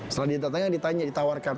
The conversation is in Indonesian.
setelah datangnya ditanya ditawarkan